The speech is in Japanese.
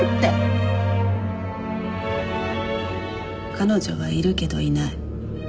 彼女はいるけどいない。